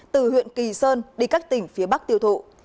từ huyện kỳ sơn đi các tỉnh phía bắc tiêu thụ